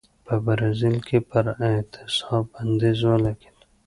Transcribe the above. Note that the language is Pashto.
په برازیل کې پر اعتصاب بندیز ولګېد.